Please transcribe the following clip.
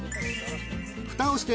［ふたをして］